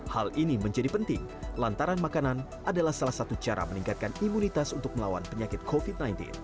hal ini menjadi penting lantaran makanan adalah salah satu cara meningkatkan imunitas untuk melawan penyakit covid sembilan belas